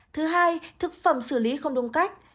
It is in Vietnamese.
thứ hai thực phẩm xử lý không đúng cách